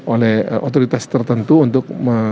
oleh otoritas tertentu untuk